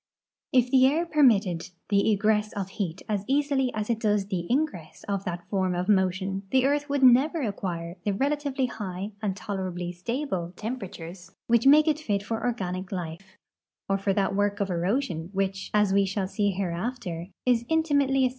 If the air ])ermitted the egress of heat as easily as it does the ingress of that form of motion the earth would never acquire the relatively high and tolerably stable temperatures which make it fit for organic life or for that work of erosion which, as we shall see hereafter, is inti mately as.